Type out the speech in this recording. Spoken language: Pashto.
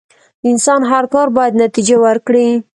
د انسان هر کار بايد نتیجه ورکړي.